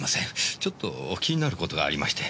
ちょっと気になる事がありまして。